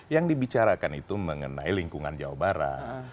yang dibicarakan itu mengenai lingkungan jawa barat